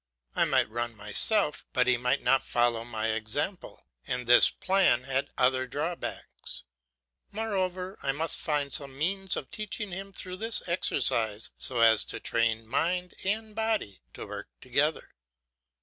I might run myself, but he might not follow my example, and this plan had other drawbacks. Moreover, I must find some means of teaching him through this exercise, so as to train mind and body to work together.